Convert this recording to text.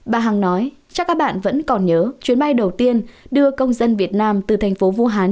bà hằng nói chắc các bạn vẫn còn nhớ chuyến bay đầu tiên đưa công dân việt nam từ thành phố vũ hán